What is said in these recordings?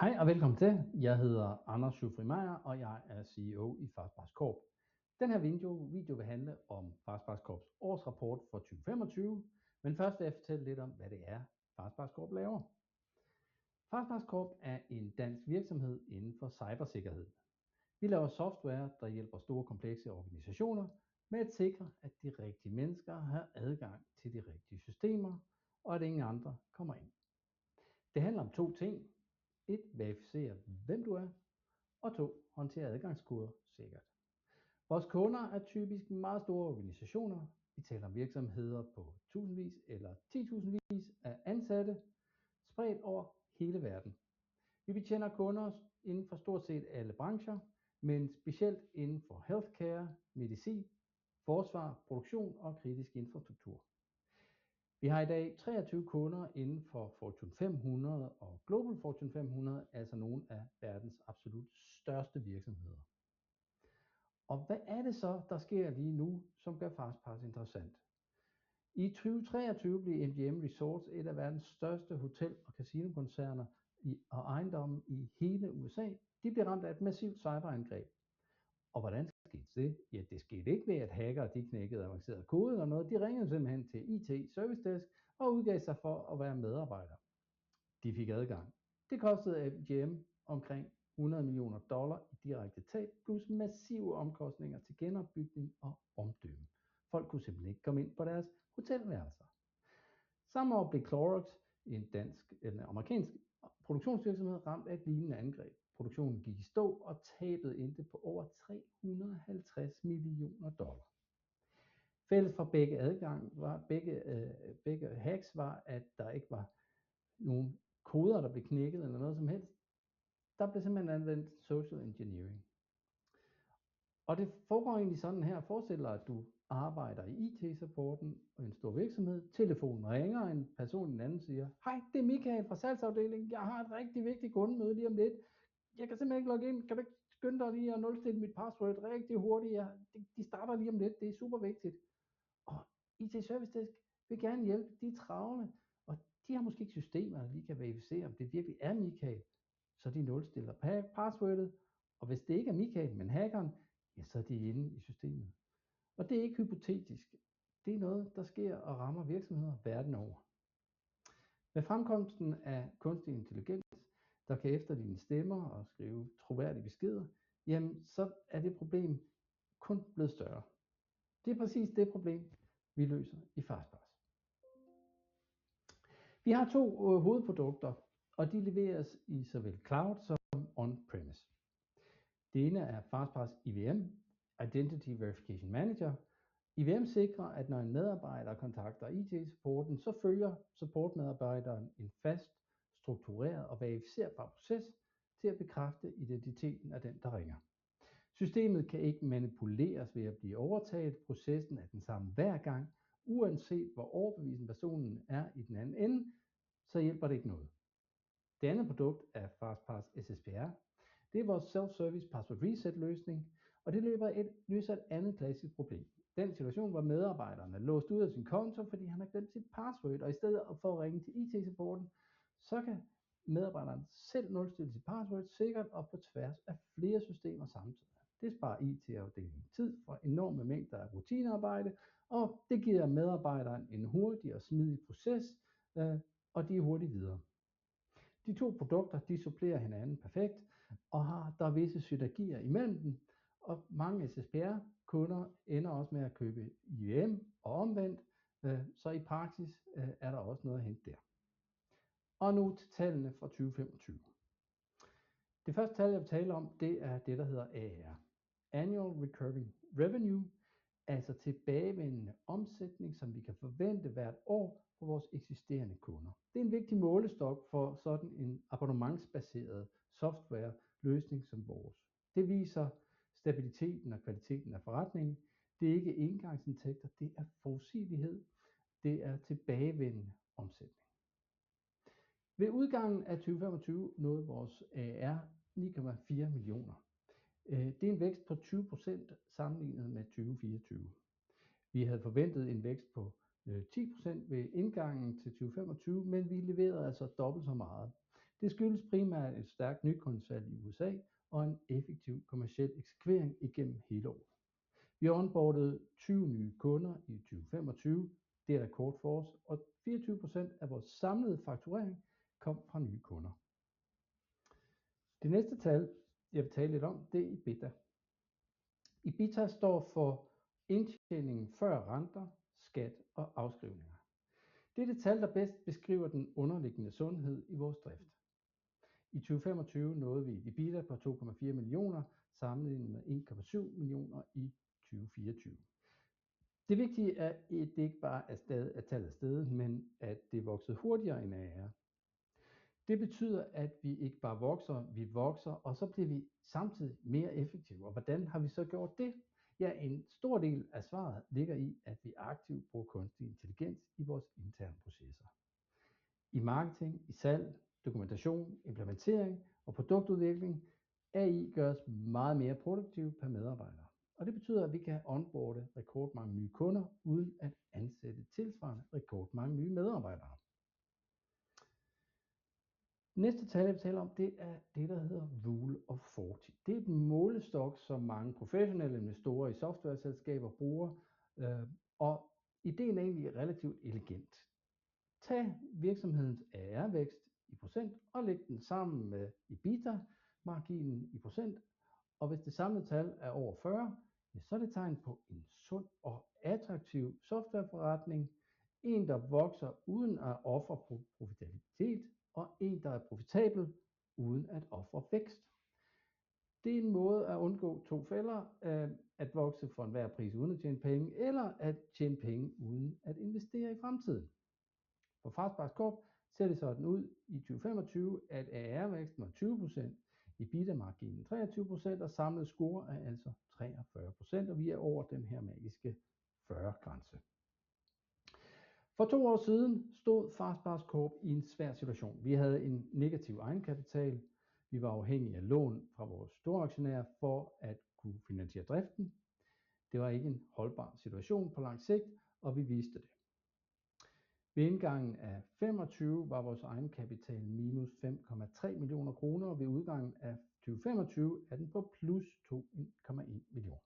Hej og velkommen til. Jeg hedder Anders Schufri Meyer, og jeg er CEO i FastPassCorp. Den her video vil handle om FastPassCorps årsrapport for 2025. Men først vil jeg fortælle lidt om, hvad det er, FastPassCorp laver. FastPassCorp er en dansk virksomhed inden for cybersikkerhed. Vi laver software, der hjælper store komplekse organisationer med at sikre, at de rigtige mennesker har adgang til de rigtige systemer, og at ingen andre kommer ind. Det handler om to ting. Et, verificere hvem du er, og to, håndtere adgangskoder sikkert. Vores kunder er typisk meget store organisationer. Vi taler om virksomheder på tusindvis eller titusindvis af ansatte spredt over hele verden. Vi betjener kunder inden for stort set alle brancher, men specielt inden for healthcare, medicin, forsvar, produktion og kritisk infrastruktur. Vi har i dag 23 kunder inden for Fortune 500 og Fortune Global 500. Altså nogle af verdens absolut største virksomheder. Hvad er det så, der sker lige nu, som gør FastPass interessant? I 2023 blev MGM Resorts, en af verdens største hotel- og kasinokoncerner, og ejendomme i hele USA ramt af et massivt cyberangreb. Hvordan skete det? Det skete ikke ved, at hackere knækkede avancerede koder. De ringede simpelthen til IT-servicedesk og udgav sig for at være medarbejdere. De fik adgang. Det kostede MGM omkring $100 million i direkte tab plus massive omkostninger til genopbygning og omdømme. Folk kunne simpelthen ikke komme ind på deres hotelværelser. Samme år blev Clorox, en amerikansk produktionsvirksomhed, ramt af et lignende angreb. Produktionen gik i stå, og tabet endte på over $350 million. Fælles for begge hacks var, at der ikke var nogen koder, der blev knækket eller noget som helst. Der blev simpelthen anvendt social engineering. Det foregår egentlig sådan her. Forestil dig, at du arbejder i IT-supporten i en stor virksomhed. Telefonen ringer, en person i den anden ende siger: "Hej, det er Michael fra salgsafdelingen. Jeg har et rigtig vigtigt kundemøde lige om lidt. Jeg kan simpelthen ikke logge ind. Kan du ikke skynde dig at nulstille mit password rigtig hurtigt? De starter lige om lidt. Det er super vigtigt." IT-servicedesk vil gerne hjælpe. De er travle, og de har måske ikke systemer, der lige kan verificere, om det virkelig er Michael. Så de nulstiller passwordet. Og hvis det ikke er Michael, men hackeren, så er de inde i systemet. Det er ikke hypotetisk. Det er noget, der sker og rammer virksomheder verden over. Med fremkomsten af kunstig intelligens, der kan efterligne stemmer og skrive troværdige beskeder, så er det problem kun blevet større. Det er præcis det problem, vi løser i FastPassCorp. Vi har to hovedprodukter, og de leveres i såvel cloud som on-premise. Det ene er FastPass IVM, Identity Verification Manager. IVM sikrer, at når en medarbejder kontakter IT-supporten, så følger supportmedarbejderen en fast struktureret og verificerbar proces til at bekræfte identiteten af den, der ringer. Systemet kan ikke manipuleres ved at blive overtaget. Processen er den samme hver gang. Uanset hvor overbevisende personen er i den anden ende, så hjælper det ikke noget. Det andet produkt er FastPass SSPR. Det er vores self-service password reset løsning, og det løser et andet klassisk problem. Den situation, hvor medarbejderen er låst ude af sin konto, fordi han har glemt sit password, og i stedet for at ringe til IT-supporten, kan medarbejderen selv nulstille sit password sikkert og på tværs af flere systemer samtidig. Det sparer it-afdelingen tid for enorme mængder af rutinearbejde, og det giver medarbejderen en hurtig og smidig proces, og de er hurtigt videre. De to produkter supplerer hinanden perfekt, og der er visse synergier imellem dem, og mange SSPR kunder ender med at købe IVM og omvendt, så i praksis er der også noget at hente der. Og nu til tallene fra 2025. Det første tal, jeg vil tale om, er det, der hedder ARR. Annual Recurring Revenue, altså tilbagevendende omsætning, som vi kan forvente hvert år fra vores eksisterende kunder. Det er en vigtig målestok for sådan en abonnementsbaseret softwareløsning som vores. Det viser stabiliteten og kvaliteten af forretningen. Det er ikke engangsindtægter, det er forudsigelighed. Det er tilbagevendende omsætning. Ved udgangen af 2025 nåede vores ARR DKK 9.4 million. Det er en vækst på 20% sammenlignet med 2024. Vi havde forventet en vækst på 10% ved indgangen til 2025, men vi leverede altså dobbelt så meget. Det skyldes primært et stærkt nykundesalg i USA og en effektiv kommerciel eksekvering igennem hele året. Vi onboardede 20 nye kunder i 2025. Det er rekord for os, og 24% af vores samlede fakturering kom fra nye kunder. Det næste tal, jeg vil tale lidt om, er EBITDA. EBITDA står for indtjening før renter, skat og afskrivninger. Det er det tal, der bedst beskriver den underliggende sundhed i vores drift. I 2025 nåede vi EBITDA på DKK 2.4 millioner sammenlignet med DKK 1.7 millioner i 2024. Det er vigtigt, at det ikke bare er, at tallet er steget, men at det er vokset hurtigere end ARR. Det betyder, at vi ikke bare vokser, vi vokser, og så bliver vi samtidig mere effektive. Og hvordan har vi så gjort det? Ja, en stor del af svaret ligger i, at vi aktivt bruger kunstig intelligens i vores interne processer. I marketing, i salg, dokumentation, implementering og produktudvikling. AI gør os meget mere produktive per medarbejder. Det betyder, at vi kan onboarde rekordmange nye kunder uden at ansætte tilsvarende rekordmange nye medarbejdere. Næste tal jeg vil tale om, er det, der hedder Rule of 40. Det er en målestok, som mange professionelle investorer i softwareselskaber bruger, og ideen er relativt elegant. Tag virksomhedens ARR-vækst i procent og læg den sammen med EBITDA-marginen i procent. Hvis det samlede tal er over 40, er det tegn på en sund og attraktiv softwareforretning. En, der vokser uden at ofre profitabilitet, og en, der er profitabel uden at ofre vækst. Det er en måde at undgå to fælder. At vokse for enhver pris uden at tjene penge, eller at tjene penge uden at investere i fremtiden. For FastPassCorp ser det i 2025 sådan ud, at ARR-væksten var 20%, EBITDA-marginen 23%, og samlet score er altså 43%, og vi er over den magiske 40-grænse. To år siden stod FastPassCorp i en svær situation. Vi havde en negativ egenkapital. Vi var afhængige af lån fra vores storaktionærer for at kunne finansiere driften. Det var ikke en holdbar situation på lang sigt, og vi vidste det. Ved indgangen af 2025 var vores egenkapital -DKK 5.3 millioner, og ved udgangen af 2025 er den på +DKK 2.1 millioner.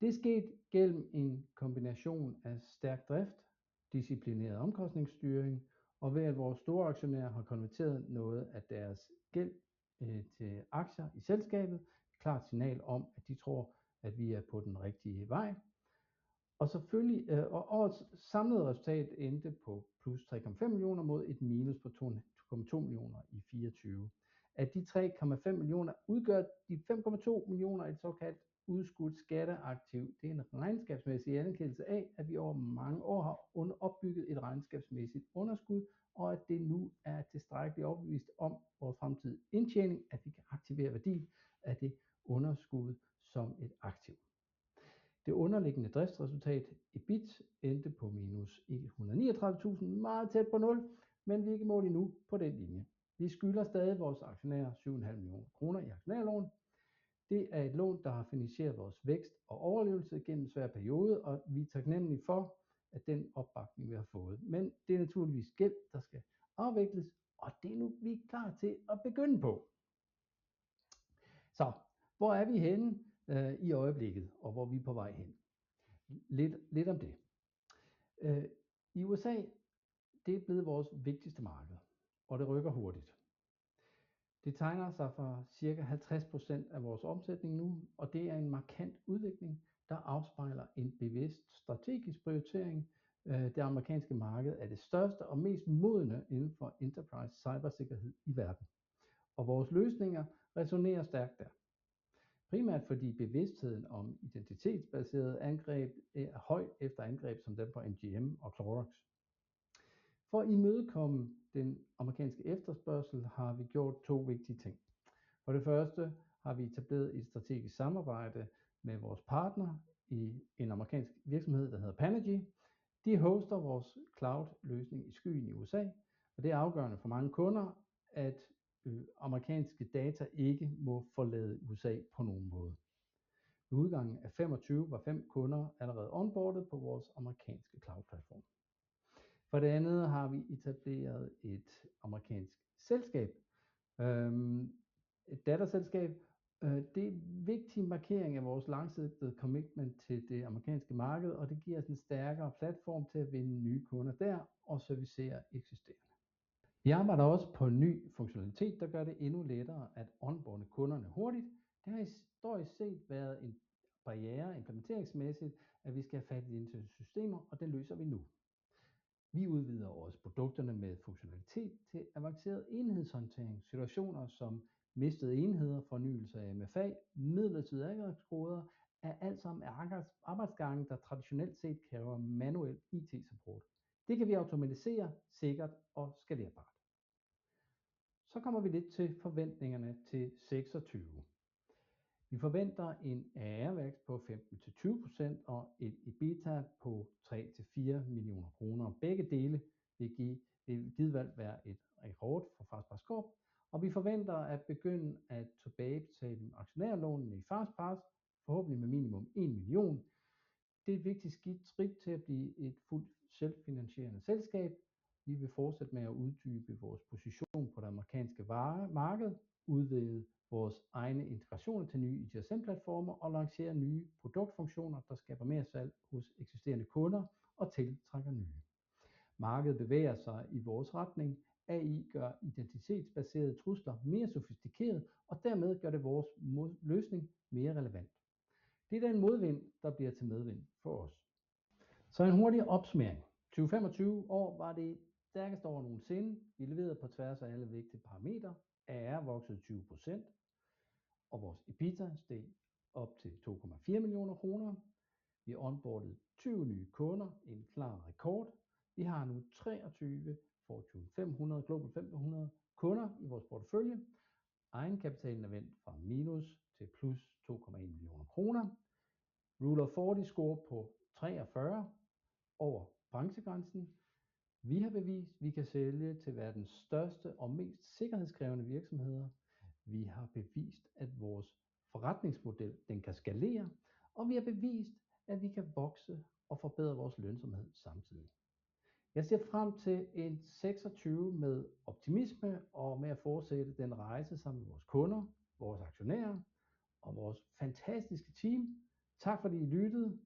Det er sket gennem en kombination af stærk drift, disciplineret omkostningsstyring, og ved at vores storaktionærer har konverteret noget af deres gæld til aktier i selskabet. Et klart signal om, at de tror, at vi er på den rigtige vej. Årets samlede resultat endte på +DKK 3.5 millioner mod et minus på DKK 2.2 millioner i 2024. Af DKK 3.5 millioner udgør DKK 5.2 millioner et såkaldt udskudt skatteaktiv. Det er en regnskabsmæssig anerkendelse af, at vi over mange år har opbygget et regnskabsmæssigt underskud, og at det nu er tilstrækkeligt overbevist om vores fremtidige indtjening, at vi kan aktivere værdien af det underskud som et aktiv. Det underliggende driftsresultat, EBIT, endte på DKK -139,000. Meget tæt på nul, men vi er ikke mål i nu på den linje. Vi skylder stadig vores aktionærer DKK 7.5 millioner i aktionærlån. Det er et lån, der har finansieret vores vækst og overlevelse gennem svære perioder, og vi er taknemlige for den opbakning, vi har fået. Men det er naturligvis gæld, der skal afvikles, og det er nu, vi er klar til at begynde på. Hvor er vi henne i øjeblikket, og hvor er vi på vej hen? Lidt om det. U.S. er blevet vores vigtigste marked, og det rykker hurtigt. Det tegner sig for cirka 50% af vores omsætning nu, og det er en markant udvikling, der afspejler en bevidst strategisk prioritering. Det amerikanske marked er det største og mest modne inden for enterprise cybersikkerhed i verden, og vores løsninger resonerer stærkt der. Primært fordi bevidstheden om identitetsbaserede angreb er høj efter angreb som dem på MGM og Clorox. For at imødekomme den amerikanske efterspørgsel har vi gjort to vigtige ting. For det første har vi etableret et strategisk samarbejde med vores partner i en amerikansk virksomhed, der hedder Panergy. De hoster vores cloudløsning i skyen i U.S. Det er afgørende for mange kunder, at amerikanske data ikke må forlade U.S. på nogen måde. Ved udgangen af 2025 var fem kunder allerede onboardet på vores amerikanske cloudplatform. For det andet har vi etableret et amerikansk datterselskab. Det er en vigtig markering af vores langsigtede commitment til det amerikanske marked, og det giver os en stærkere platform til at vinde nye kunder der og servicere eksisterende. Vi arbejder også på en ny funktionalitet, der gør det endnu lettere at onboarde kunderne hurtigt. Det har historisk set været en barriere implementeringsmæssigt, at vi skal have fat i de interne systemer, og det løser vi nu. Vi udvider også produkterne med funktionalitet til avanceret enhedshåndtering. Situationer som mistede enheder, fornyelse af MFA, midlertidige adgangskoder er alt sammen arbejdsgange, der traditionelt set kræver manuel IT-support. Det kan vi automatisere sikkert og skalerbart. Kommer vi til forventningerne til 2026. Vi forventer en ARR-vækst på 15%-20% og en EBITDA på DKK 3 million-DKK 4 million. Begge dele vil givetvis være en rekord for FastPassCorp. Vi forventer at begynde at tilbagebetale aktionærlånene i FastPassCorp, forhåbentlig med minimum DKK 1 million. Det er et vigtigt skridt til at blive et fuldt selvfinansierende selskab. Vi vil fortsætte med at uddybe vores position på det amerikanske varemarked, udvide vores egne integrationer til nye ITSM-platforme og lancere nye produktfunktioner, der skaber mersalg hos eksisterende kunder og tiltrækker nye. Markedet bevæger sig i vores retning. AI gør identitetsbaserede trusler mere sofistikerede, og dermed gør det vores løsning mere relevant. Det er den modvind, der bliver til medvind for os. Så en hurtig opsummering. 2025 år var det stærkeste år nogensinde. Vi leverede på tværs af alle vigtige parametre. ARR voksede 20%, og vores EBITDA steg op til DKK 2.4 millioner. Vi onboardede 20 nye kunder. En klar rekord. Vi har nu 23 Fortune 500, Fortune Global 500 kunder i vores portefølje. Egenkapitalen er vendt fra minus til plus DKK 2.1 millioner. Rule of 40 scorer på 43 over branchegrænsen. Vi har bevist, at vi kan sælge til verdens største og mest sikkerhedskrævende virksomheder. Vi har bevist, at vores forretningsmodel kan skalere, og vi har bevist, at vi kan vokse og forbedre vores lønsomhed samtidig. Jeg ser frem til 2026 med optimisme og med at fortsætte den rejse sammen med vores kunder, vores aktionærer og vores fantastiske team. Tak, fordi I lyttede.